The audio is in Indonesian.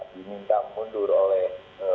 diminta mundur oleh